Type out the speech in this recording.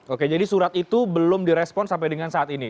oke jadi surat itu belum direspon sampai dengan saat ini